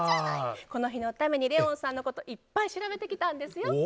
この日のためにレオンさんのこといっぱい調べてきたんですよ。